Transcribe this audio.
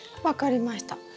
分かりました。